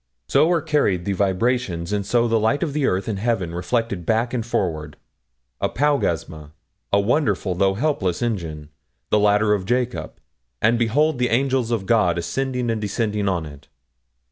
So are carried the vibrations, and so the light of earth and heaven reflected back and forward apaugasma, a wonderful though helpless engine, the ladder of Jacob, and behold the angels of God ascending and descending on it.